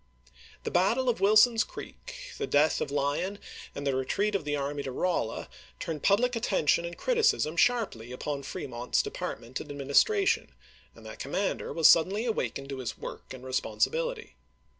The battle of Wilson's Creek, the death of Lyon, Aug.io.isei. and the retreat of the army to RoUa turned public attention and criticism sharply upon Fremont's de partment and administration, and that commander was suddenly awakened to his work and responsi bility.